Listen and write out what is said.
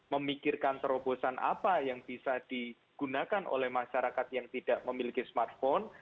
memikirkan terobosan apa yang bisa digunakan oleh masyarakat yang tidak memiliki smartphone